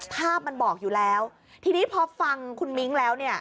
ภาพมันบอกอยู่แล้วทีนี้พอฟังคุณมิ้งแล้วเนี่ย